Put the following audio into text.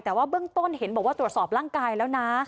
แต่ว่าเบื้องต้นเห็นบอกว่าตรวจสอบร่างกายแล้วนะ